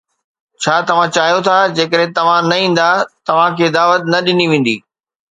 ڇا توهان چاهيو ٿا جيڪڏهن توهان نه ايندا، توهان کي دعوت نه ڏني ويندي